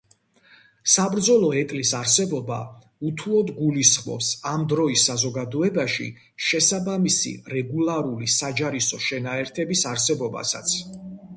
საბრძოლო ეტლის არსებობა უთუოდ გულისხმობს ამ დროის საზოგადოებაში შესაბამისი რეგულარული საჯარისო შენაერთების არსებობასაც.